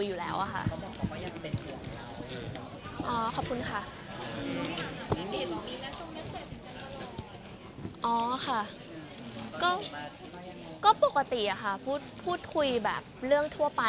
อ๋อยังเป็นคนเรา